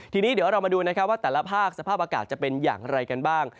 ทีนี้เดี๋ยวเรามาดูนะครับว่าแต่ละภาคสภาพอากาศจะเป็นอย่างไรกันบ้าง